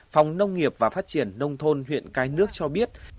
phòng nông nghiệp và phát triển nông thôn huyện cái nước cho biết